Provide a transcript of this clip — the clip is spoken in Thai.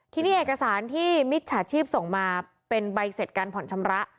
ทีนี้เอกสารที่มิจฉาชีพส่งมาเป็นใบเสร็จการผ่อนชำระ